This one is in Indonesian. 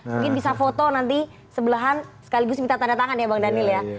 mungkin bisa foto nanti sebelahan sekaligus minta tanda tangan ya bang daniel ya